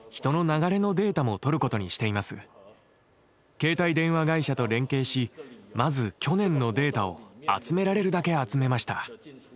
携帯電話会社と連携しまず去年のデータを集められるだけ集めました。